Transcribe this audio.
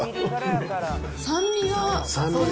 酸味が。